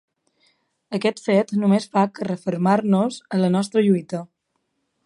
Aquest fet només fa que refermar-nos en la nostra lluita.